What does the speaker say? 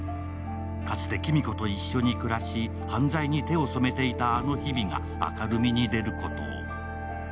かつて黄美子と一緒に暮らし犯罪に手を染めていたあの日々が明るみに出ることを。